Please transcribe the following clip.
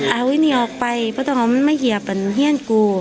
เอาไอ้นี่ออกไปเพราะต้องเอามันไม่เหยียบมันเฮียนกู